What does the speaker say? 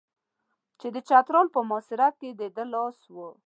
چې د چترال په محاصره کې د ده لاس و.